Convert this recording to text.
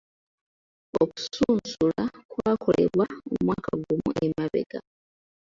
Okusunsula kwakolebwa omwaka gumu emabega.